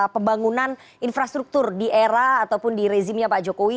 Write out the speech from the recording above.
pembangunan infrastruktur di era ataupun di rezimnya pak jokowi